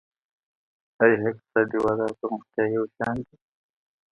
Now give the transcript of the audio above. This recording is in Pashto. ایا اقتصادي وده او پرمختیا یو شان دي؟